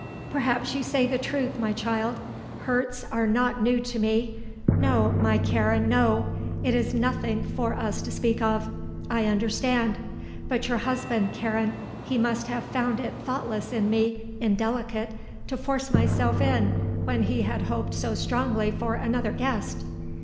Perhaps you say the truth, my child. Hurts are not new to me. No, my Karen, no. It is nothing for us to speak of. I understand. But your husband, Karen, he must have found it thoughtless in me, indelicate, to force myself in when he had hoped so strongly for another guest."